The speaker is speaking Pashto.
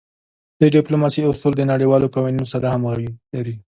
د ډیپلوماسی اصول د نړیوالو قوانینو سره همږغي لری.